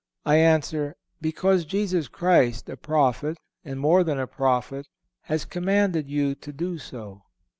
I answer, because Jesus Christ, a prophet, and more than a prophet, has commanded you to do so.